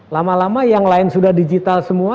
lama lama yang lain sudah digital semua